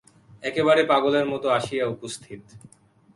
একেবারে পাগলের মতো আসিয়া উপস্থিত।